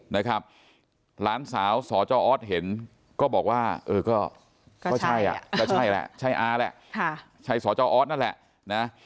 หลานสาวสจอธเห็นก็บอกว่าก็ใช่ละใช่อ๋าแหละใช่สจอธนั่นแหละ